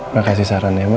makasih saran ya ma